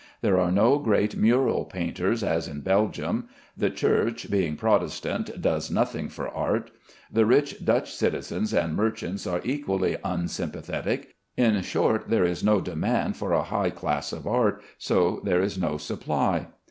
There are no great mural painters as in Belgium; the Church, being Protestant, does nothing for art. The rich Dutch citizens and merchants are equally unsympathetic; in short, there is no demand for a high class of art, so there is no supply.